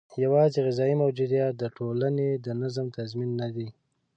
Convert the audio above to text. یوازې غذايي موجودیت د ټولنې د نظم تضمین نه دی.